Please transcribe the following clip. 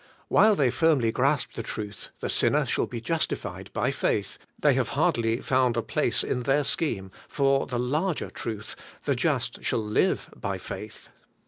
While they firmly grasp the truth, *The sinner shall be justified by faith,' they have hardly found a place in their scheme for the larger truth, *The just shall live by faith.'